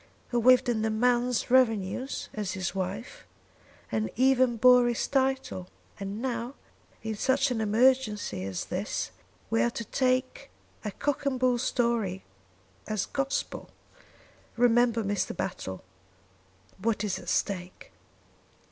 "Who lived on the man's revenues as his wife, and even bore his title, and now in such an emergency as this we are to take a cock and bull story as gospel. Remember, Mr. Battle, what is at stake."